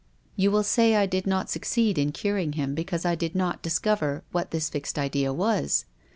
You will say I did not suc ceed in curing him because I did not discover what this fixed idea was.